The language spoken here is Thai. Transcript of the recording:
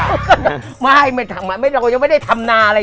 อ๋อครับลงแขกจ้ะไม่ไม่เราไม่ได้ทำนาอะไร